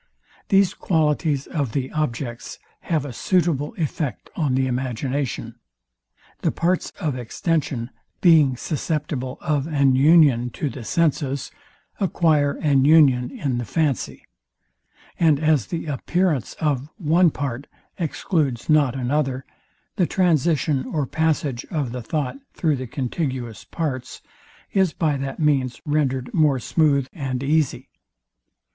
These qualities of the objects have a suitable effect on the imagination. The parts of extension being susceptible of an union to the senses, acquire an union in the fancy; and as the appearance of one part excludes not another, the transition or passage of the thought through the contiguous parts is by that means rendered more smooth and easy.